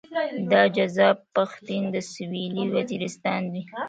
دا جذاب پښتين د سويلي وزيرستان دی.